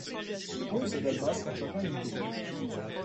Pons et Dalmasse ont chacun une tour.